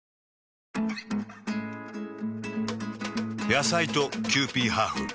野菜とキユーピーハーフ。